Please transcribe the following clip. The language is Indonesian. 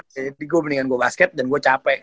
jadi gue mendingan gue basket dan gue capek